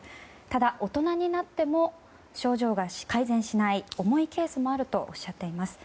ただ、大人になっても症状が改善しない重いケースもあるとおっしゃっています。